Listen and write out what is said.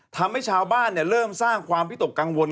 ทำให้ชาวบ้านเริ่มสร้างความวิตกกังวล